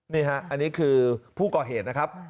นี่ฮะอันนี้คือผู้ก่อเหตุนะครับ